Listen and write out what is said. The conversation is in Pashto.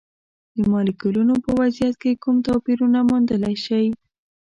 د مالیکولونو په وضعیت کې کوم توپیرونه موندلی شئ؟